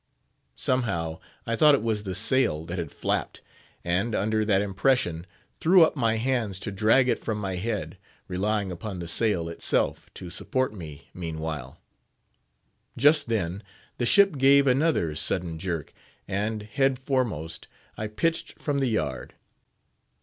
Somehow I thought it was the sail that had flapped, and, under that impression, threw up my hands to drag it from my head, relying upon the sail itself to support me meanwhile. Just then the ship gave another sudden jerk, and, head foremost, I pitched from the yard.